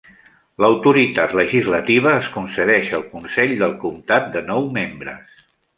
L'autoritat legislativa es concedeix al consell del comptat de nou membres.